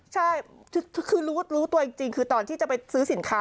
ใช่คือรู้ตัวจริงคือตอนที่จะไปซื้อสินค้า